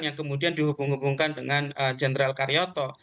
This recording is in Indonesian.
yang kemudian dihubung hubungkan dengan jenderal karyoto